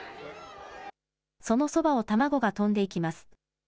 そのそばを卵が飛んでいきます。